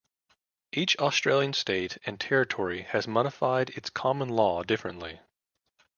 Each Australian state and territory has modified this common law differently.